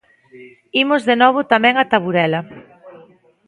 Imos de novo tamén ata Burela.